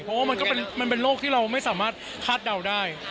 เพราะว่ามันก็มันเป็นโรคที่เราไม่สามารถคาดเดาได้